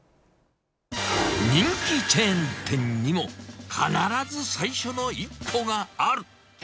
人気チェーン店にも必ず最初の一歩がある。